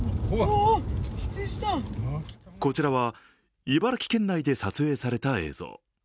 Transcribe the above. こちらは茨城県内で撮影された映像。